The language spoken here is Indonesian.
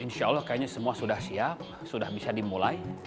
insya allah kayaknya semua sudah siap sudah bisa dimulai